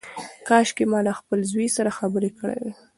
کاشکي ما له خپل زوی سره خبرې کړې وای.